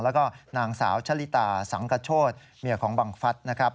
แล้วก็นางสาวชะลิตาสังกโชธเมียของบังฟัฐนะครับ